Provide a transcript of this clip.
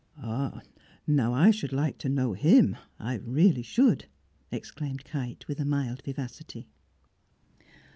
"Oh, now I should like to know him, I really should!" exclaimed Kite, with a mild vivacity.